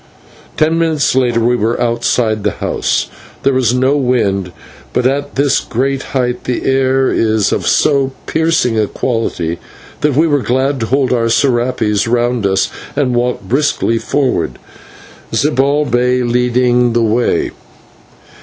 Ten minutes later we were outside the house. There was no wind, but at this great height the air is of so piercing a quality that we were glad to fold our /serapes/ round us and walk briskly forward, Zibalbay leading the way.